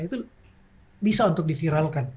itu bisa untuk diviralkan